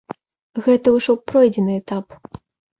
Гэта ўжо пройдзены этап.